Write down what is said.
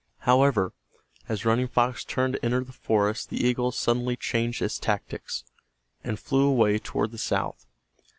However, as Running Fox turned to enter the forest the eagle suddenly changed its tactics, and flew away toward the south.